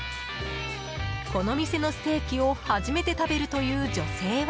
この店のステーキを初めて食べるという女性は。